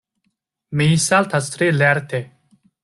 Mi saltas tre lerte.